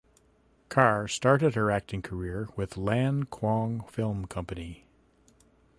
Kar started her acting career with Lan Kwong Film Company.